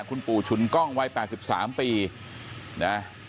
คุณปู่ฉุนกล้องวัย๘๓ปีนะ